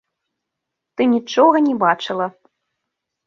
Ты нічога не бачыла!